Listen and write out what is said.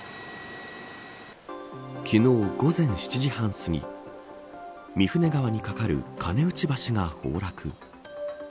昨日、午前７時半すぎ御舟川に架かる金内橋が崩落。